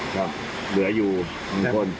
ครับเหลืออยู่หนึ่งคน